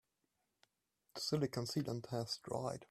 The silicon sealant has dried.